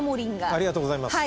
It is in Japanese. ありがとうございます。